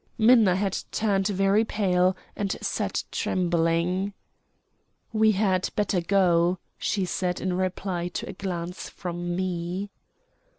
Minna had turned very pale, and sat trembling. "We had better go," she said in reply to a glance from me.